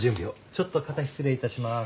ちょっと肩失礼致します。